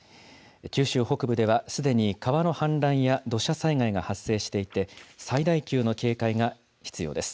九州北部ではすでに川の氾濫や土砂災害が発生していて、最大級の警戒が必要です。